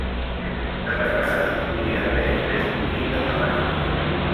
De vegades, hi podia haver tres collites a l'any.